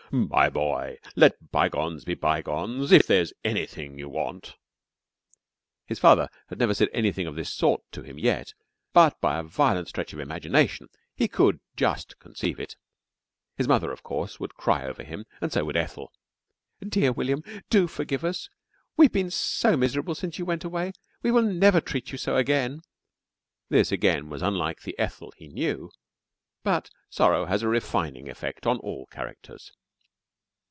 "My boy ... let bygones be bygones ... if there is anything you want...." His father had never said anything of this sort to him yet, but, by a violent stretch of imagination, he could just conceive it. His mother, of course, would cry over him, and so would Ethel. "Dear William ... do forgive us ... we have been so miserable since you went away ... we will never treat you so again." This again was unlike the Ethel he knew, but sorrow has a refining effect on all characters.